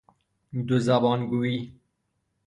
دو زبانگویی